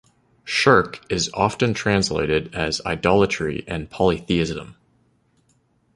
"Shirk" is often translated as idolatry and polytheism.